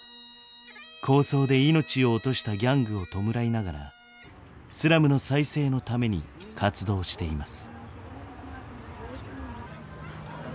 抗争で命を落としたギャングを弔いながらスラムの再生のために活動しています。